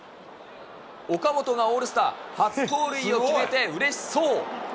岡本がオールスター初盗塁を決めて、うれしそう。